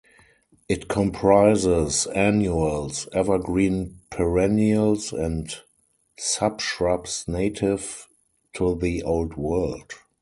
It comprises annuals, evergreen perennials and subshrubs native to the Old World.